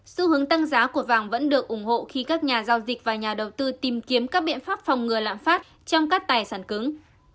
xu hướng tăng giá của vàng vẫn được ủng hộ khi các nhà giao dịch và nhà đầu tư tìm kiếm các biện pháp phòng ngừa lạm phát trong các tài sản cứng